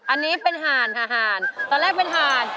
อันนี้เป็นห่านค่ะห่านตอนแรกเป็นห่าน